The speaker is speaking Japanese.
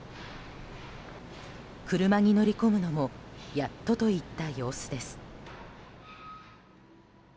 車に乗り込むのもやっとといった様子です。